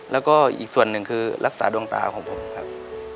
แล้วก็อีกส่วนหนึ่งคือรักษาดวงตาของผมครับ